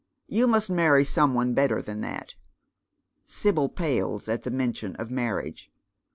You must marry some one better than that." Sibyl pales at the mention of mai riage.